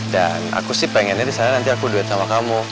dan aku sih pengennya disana nanti aku duet sama kamu